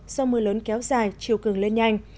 do mưa lớn kéo dài chiều cường lên nhanh